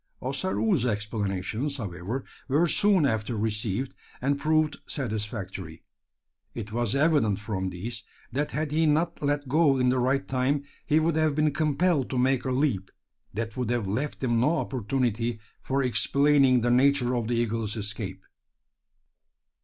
Ossaroo's explanations, however, were soon after received; and proved satisfactory. It was evident from these, that had he not let go in the right time, he would have been compelled to make a leap, that would have left him no opportunity for explaining the nature of the eagle's escape.